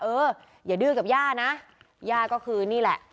เอออย่าดื้อกับย่านะย่าก็คือนี่แหละ